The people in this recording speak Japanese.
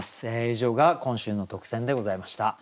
以上が今週の特選でございました。